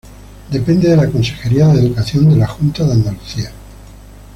Depende de la Consejería de Educación de la Junta de Andalucía.